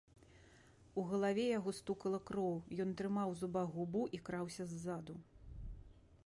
У галаве яго стукала кроў, ён трымаў у зубах губу і краўся ззаду.